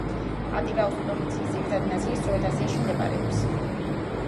ატირაუს პროვინციის ძირითადი ნაწილი სწორედ აზიაში მდებარეობს.